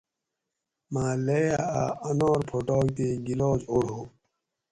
مالیہ اۤ انار پھوٹاگ تے گِلاس اوڑ ھو